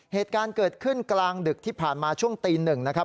เหตุการณ์เกิดขึ้นกลางดึกที่ผ่านมาช่วงตีหนึ่งนะครับ